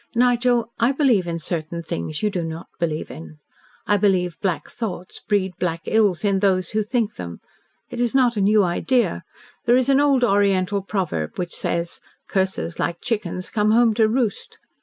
"Nigel, I believe in certain things you do not believe in. I believe black thoughts breed black ills to those who think them. It is not a new idea. There is an old Oriental proverb which says, 'Curses, like chickens, come home to roost.'